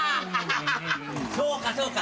そうかそうか。